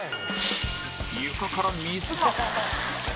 床から水が！